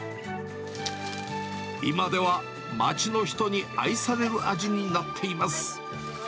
今では街の人に愛される味になっています。